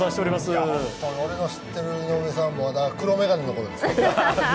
本当に、俺の知っている井上さんはまだ黒眼鏡のころですからね。